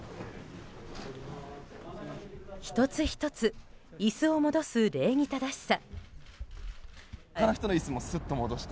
１つ１つ椅子を戻す礼儀正しさ。